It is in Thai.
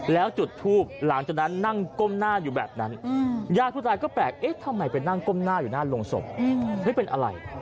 แล้วจุดทูบหลังจากนั้นนั่งก้มหน้าอยู่แบบนั้นญาติผู้ตายก็แปลกเอ๊ะทำไมไปนั่งก้มหน้าอยู่หน้าโรงศพเฮ้ยเป็นอะไร